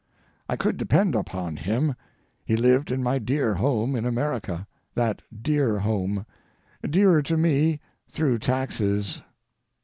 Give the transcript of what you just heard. I could depend upon him. He lived in my dear home in America—that dear home, dearer to me through taxes.